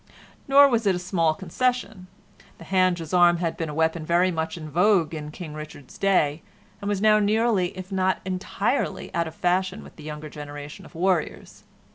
Nor was it a small concession. The hand gisarm had been a weapon very much in vogue in King Richard's day, and was now nearly if not entirely out of fashion with the younger generation of warriors.